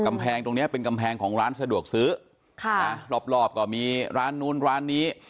กำแพงตรงเนี้ยเป็นกำแพงของร้านสะดวกซื้อค่ะนะรอบรอบก็มีร้านนู้นร้านนี้